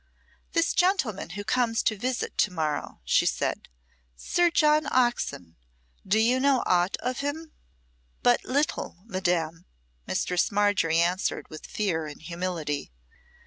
"This gentleman who comes to visit to morrow," she said, "Sir John Oxon do you know aught of him?" "But little, Madame," Mistress Margery answered with fear and humility.